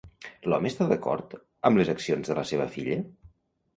L'home està d'acord amb les accions de la seva filla?